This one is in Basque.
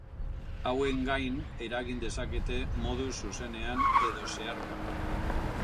Hauen gain eragiten dezakete modu zuzenean edo zeharka.